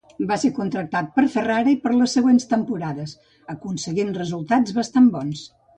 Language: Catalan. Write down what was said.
Va ser contractat per Ferrari per les següents temporades aconseguint resultats bastant bons.